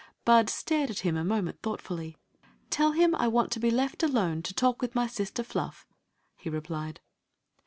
Bud stared at him a moment thoughtfully. "Tell him I want to be left alone to talk with my sister Fluff," he replied.